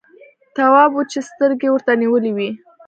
تواب وچې سترګې ورته نيولې وې.